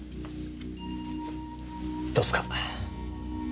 どうっすか？